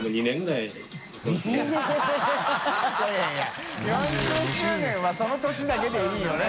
い笋い４０周年はその年だけでいいよね。